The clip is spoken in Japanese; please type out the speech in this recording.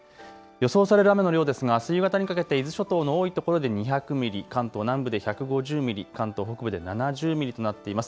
予想される雨の量ですがあす夕方にかけて伊豆諸島の多いところで２００ミリ、関東南部で１５０ミリ、関東北部で７０ミリとなっています。